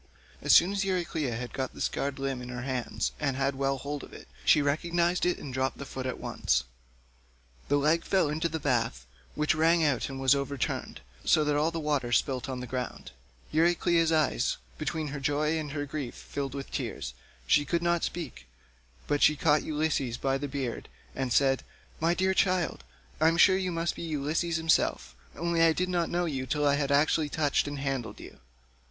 As soon as Euryclea had got the scarred limb in her hands and had well hold of it, she recognised it and dropped the foot at once. The leg fell into the bath, which rang out and was overturned, so that all the water was spilt on the ground; Euryclea's eyes between her joy and her grief filled with tears, and she could not speak, but she caught Ulysses by the beard and said, "My dear child, I am sure you must be Ulysses himself, only I did not know you till I had actually touched and handled you."